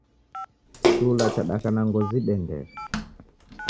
Kichula chadaka na ngozi idendere.